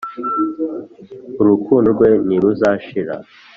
urukundo rwe ntiruzashira.